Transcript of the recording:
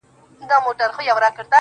پر ما خوښي لكه باران را اوري.